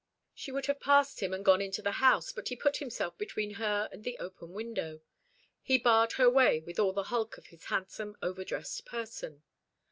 She would have passed him and gone into the house, but he put himself between her and the open window. He barred her way with all the hulk of his handsome, over dressed person.